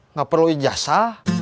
nggak perlu ijasa